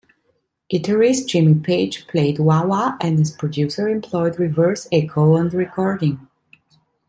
Guitarist Jimmy Page played wah-wah and, as producer, employed reverse echo on the recording.